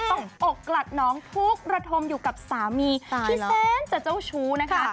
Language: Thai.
ต้องอกกลัดน้องทุกข์ระทมอยู่กับสามีที่แสนจะเจ้าชู้นะคะ